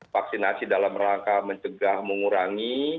vaksinasi dalam rangka mencegah mengurangi